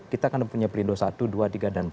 kita akan punya pelindung satu dua tiga dan empat